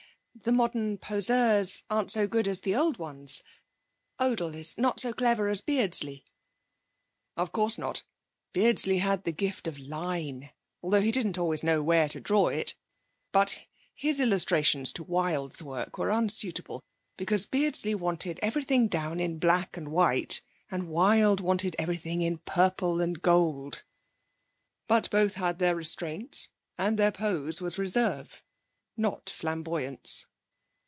The modern poseurs aren't so good as the old ones. Odle is not so clever as Beardsley.' 'Of course not. Beardsley had the gift of line though he didn't always know where to draw it but his illustrations to Wilde's work were unsuitable, because Beardsley wanted everything down in black and white, and Wilde wanted everything in purple and gold. But both had their restraints, and their pose was reserve, not flamboyance.'